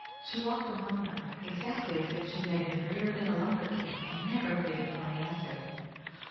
She walked among them, exactly as if she had been reared in a lumber camp, and never waited for an answer.